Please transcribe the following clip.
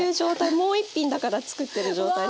もう１品だから作ってる状態ですね。